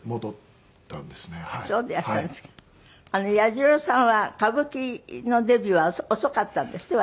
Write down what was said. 彌十郎さんは歌舞伎のデビューは遅かったんですって？